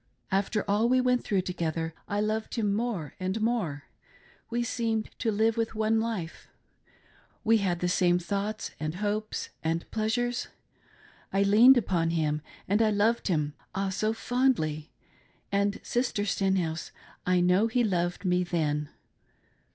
After all we went through together, I loved him more and more ; we seemed to live with one life ; we had the same thoughts, and hopes, and pleasures. I leaned upon him, and I loved him — Ah, so fondly! — and, Sister Stenhouse, I know he loved me then.